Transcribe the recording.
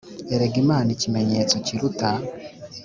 Egera Imana Ikimenyetso kiruta